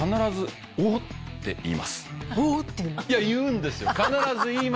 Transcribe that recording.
いや言うんですよ！